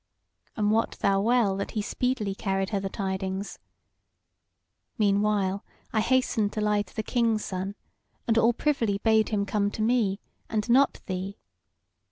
And wot thou well, that he speedily carried her the tidings. Meanwhile I hastened to lie to the King's Son, and all privily bade him come to me and not thee.